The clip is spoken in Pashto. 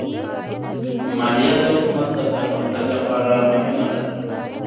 مالیه د حکومت د پرمختګ لپاره مهمه ده.